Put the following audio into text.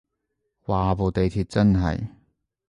嘩部地鐵真係